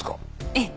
ええ。